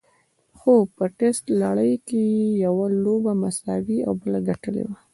خو په ټېسټ لړۍ کې یې یوه لوبه مساوي او بله ګټلې وه.